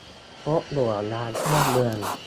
คบหัวล้านสร้างเมือง